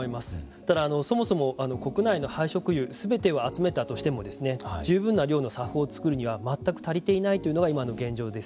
ただ、そもそも国内の廃食油すべてを集めたとしても十分な量のＳＡＦのつくるには全く足りていないというのが今の現状です。